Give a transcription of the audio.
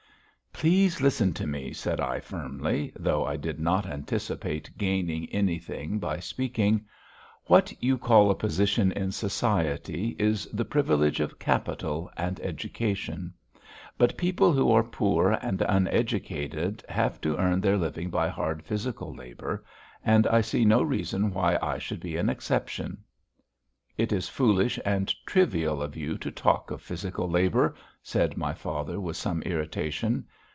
"Please listen to me," said I firmly, though I did not anticipate gaining anything by speaking. "What you call a position in society is the privilege of capital and education. But people who are poor and uneducated have to earn their living by hard physical labour, and I see no reason why I should be an exception." "It is foolish and trivial of you to talk of physical labour," said my father with some irritation.